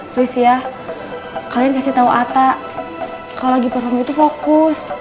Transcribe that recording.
please yah kalian kasih tau ata kalo lagi perform itu fokus